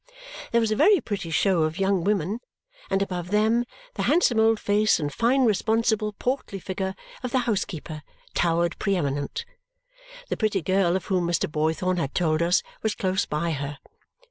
There was a very pretty show of young women, and above them, the handsome old face and fine responsible portly figure of the housekeeper towered pre eminent. The pretty girl of whom Mr. Boythorn had told us was close by her.